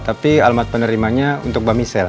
tapi alamat penerimanya untuk mbak michelle